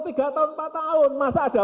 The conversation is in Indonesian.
tiga tahun empat tahun masa ada